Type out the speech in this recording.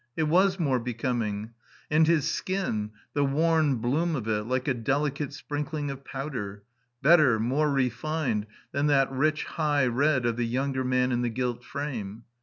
It was more becoming. And his skin the worn bloom of it, like a delicate sprinkling of powder. Better, more refined than that rich, high red of the younger man in the gilt frame.